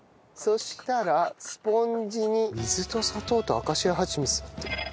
そしたらスポンジに水と砂糖とアカシアはちみつだって。